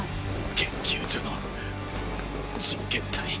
研究所の実験体。